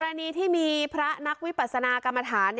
รณีที่มีพระนักวิปัสนากรรมฐาน